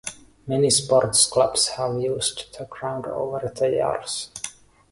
Many sports clubs have used the ground over the years.